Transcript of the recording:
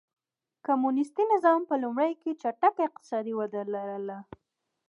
کمونېستي نظام په لومړیو کې چټکه اقتصادي وده لرله.